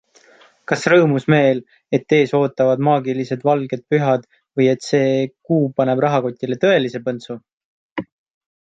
Kas rõõmus meel, et ees ootavad maagilised valged pühad või et see kuu paneb rahakotile tõelise põntsu?